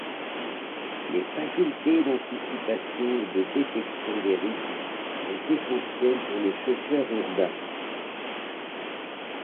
Les facultés d'anticipation et de détection des risques sont essentielles pour le chauffeur urbain.